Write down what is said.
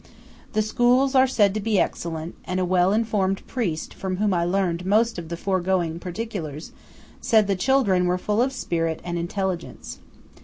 The schools are said to be excellent; and a well informed priest from whom I learned most of the foregoing particulars, said the children were full of spirit and intelligence.